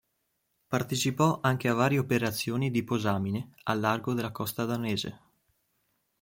Partecipò anche a varie operazioni di posamine al largo della costa danese.